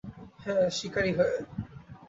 হ্যাঁ, শিকারী হয়ে।